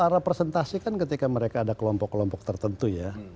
representasi kan ketika mereka ada kelompok kelompok tertentu ya